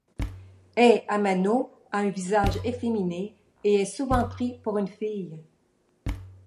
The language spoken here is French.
Hei Amano a un visage efféminé, et est souvent pris pour une fille.